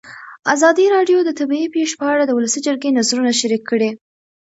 ازادي راډیو د طبیعي پېښې په اړه د ولسي جرګې نظرونه شریک کړي.